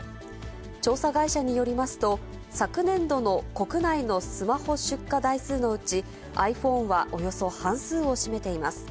調査会社によりますと、昨年度の国内のスマホ出荷台数のうち、ｉＰｈｏｎｅはおよそ半数を占めています。